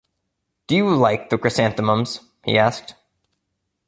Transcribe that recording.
“Do you like the chrysanthemums?” he asked.